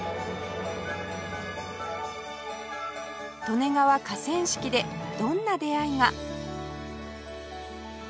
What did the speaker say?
利根川河川敷でどんな出会いが